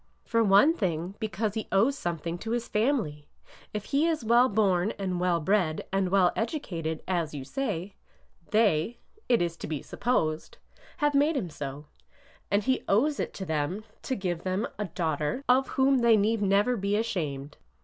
'' For one thing, because he owes something to his family. If he is well born and well bred and well edu cated, as you say, they, it is to be supposed, have made him so; and he owes it to them to give them a daughter ORDER NO. 11 150 of whom they need never be ashamed.